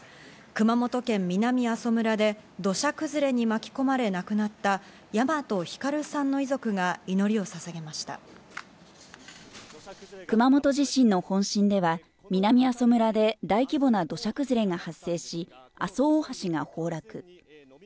熊本県南阿蘇村で土砂崩れに巻き込まれ亡くなった大和晃さんの遺族が祈りをささげ熊本地震の本震では南阿蘇村で大規模な土砂崩れが発生し、阿蘇大橋が崩落。